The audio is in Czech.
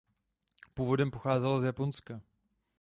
Původem pocházela z Japonska.